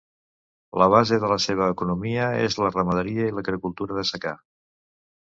La base de la seva economia és la ramaderia i l'agricultura de secà.